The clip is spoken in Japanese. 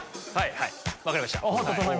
はい分かりました。